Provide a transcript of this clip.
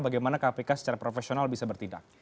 bagaimana kpk secara profesional bisa bertindak